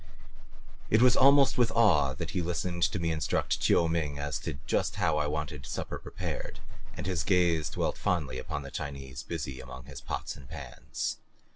It was almost with awe that he listened to me instruct Chiu Ming as to just how I wanted supper prepared, and his gaze dwelt fondly upon the Chinese busy among his pots and pans.